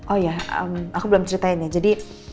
oh ya aku belum ceritain ya jadi